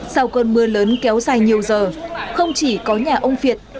sau cơn mưa lớn kéo dài nhiều giờ không chỉ có nhà ông việt